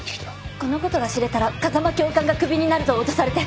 「このことが知れたら風間教官がクビになると脅されて」